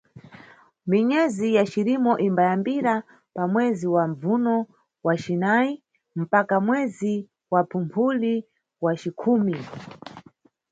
Minyezi ya Cirimo imbayambira pa mwezi wa Mbvuno wacinayi mpaka mwezi wa Phumphuli wacikhumi.